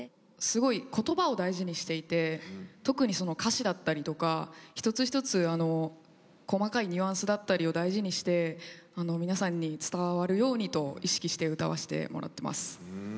すごい言葉を大事にしていて特に歌詞だったりとか一つ一つ細かいニュアンスだったりを大事にして皆さんに伝わるようにと意識して歌わせてもらってます。